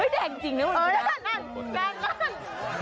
เออเฮ้ยแดงจริงเนี่ยมันจริงเออนั่นนั่นนั่น